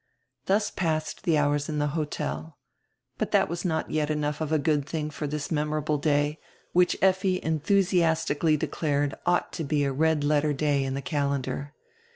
Thus passed die hours in die hotel. But diat was not yet enough of a good tiling for this memorable day, which Lffi endiusiastically declared ought to be a red letter day in die calendar.